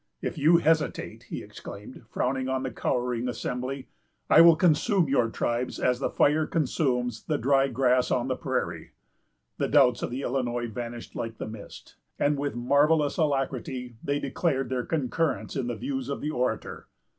"If you hesitate," he exclaimed, frowning on the cowering assembly, "I will consume your tribes as the fire consumes the dry grass on the prairie." The doubts of the Illinois vanished like the mist, and with marvellous alacrity they declared their concurrence in the views of the orator.